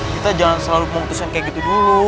kita jangan selalu memutuskan kayak gitu dulu